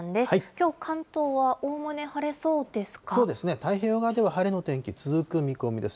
きょう、関東はおおむね晴れそうそうですね、太平洋側では晴れの天気続く見込みです。